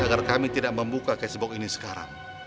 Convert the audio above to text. agar kami tidak membuka cashboard ini sekarang